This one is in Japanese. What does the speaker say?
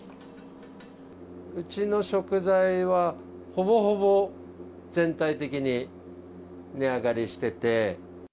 うちの食材は、ほぼほぼ全体的に値上がりしてて。